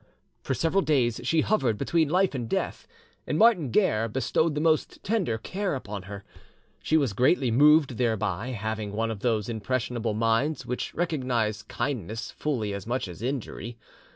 For several days she hovered between life and death, and Martin Guerre bestowed the most tender care upon her. She was greatly moved thereby, having one of those impressionable minds which recognise kindness fully as much as injury.